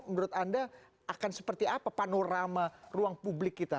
menurut anda akan seperti apa panorama ruang publik kita